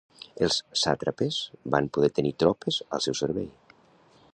Els sàtrapes van poder tenir tropes al seu servei.